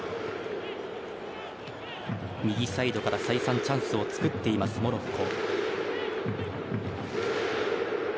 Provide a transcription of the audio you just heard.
右サイドから再三チャンスを作っています、モロッコ。